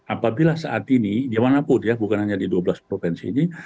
apabila saat ini dimanapun ya bukan hanya di dua belas provinsi ini